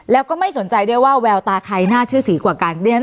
แล้วก็ไม่สนใจด้วยว่าแววตาใครน่าเชื่อถือกว่ากัน